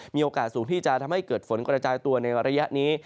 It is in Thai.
มีโอกาสสูงที่จะทำให้เกิดฝนกระจายตัวในระยะนี้